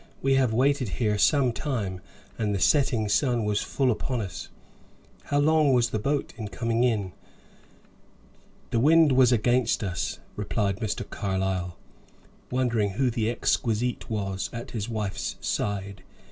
We have waited here some time, and the setting sun was full upon us. How long the boat was in coming in!" "The wind was against us," replied Mr. Carlyle, wondering who the exquisite was at his wife's side.